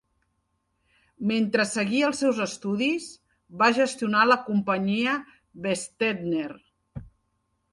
Mentre seguia els seus estudis, va gestionar la companyia Westetner.